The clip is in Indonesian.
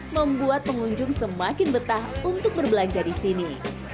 membuat pengunjung semakin betah untuk berbelanja di sini